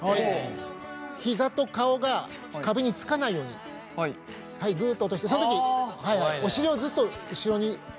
ひざと顔が壁につかないようにグっと落としてその時お尻をずっと後ろに。